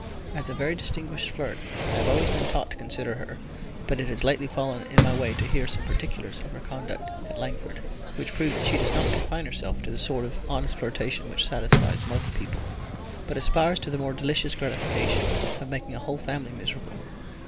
As a very distinguished flirt I have always been taught to consider her, but it has lately fallen in my way to hear some particulars of her conduct at Langford: which prove that she does not confine herself to that sort of honest flirtation which satisfies most people, but aspires to the more delicious gratification of making a whole family miserable.